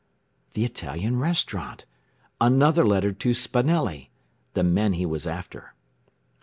The Italian restaurant! Another letter to Spanelli! The men he was after!